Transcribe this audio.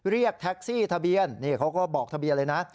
เรียกแท็กซี่ทะเบียนนี่เขาก็บอกทะเบียนเลยนะ